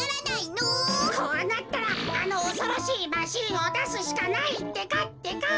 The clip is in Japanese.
こうなったらあのおそろしいマシンをだすしかないってかってか。